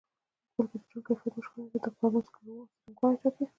بلکې د ژوند کيفیت مو شخړې ته د غبرګون څرنګوالی ټاکي.